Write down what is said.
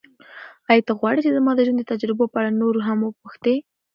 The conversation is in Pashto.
ایا ته غواړې چې زما د ژوند د تجربو په اړه نور هم وپوښتې؟